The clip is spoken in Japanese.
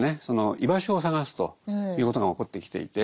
居場所を探すということが起こってきていて。